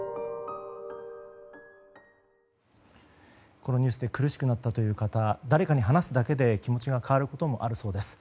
このニュースで苦しくなったという方誰かに話すだけで気持ちが変わることもあるそうです。